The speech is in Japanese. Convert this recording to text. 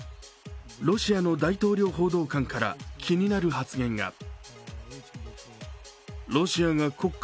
ロシアの大統領報道官から気になる発言が。